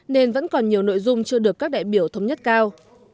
nên vẫn còn nhiều nội dung chưa được các đại biểu thống nhất cao